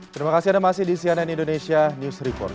terima kasih anda masih di cnn indonesia news report